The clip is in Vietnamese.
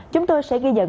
chúng tôi sẽ ghi dẫn